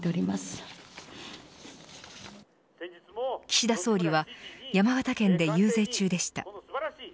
岸田総理は山形県で遊説中でした。